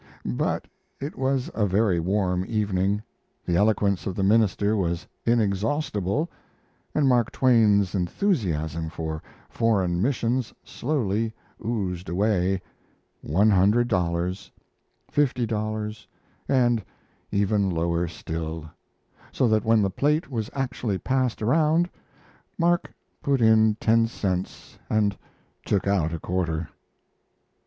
But it was a very warm evening, the eloquence of the minister was inexhaustible and Mark Twain's enthusiasm for foreign missions slowly oozed away one hundred dollars, fifty dollars, and even lower still so that when the plate was actually passed around, Mark put in ten cents and took out a quarter!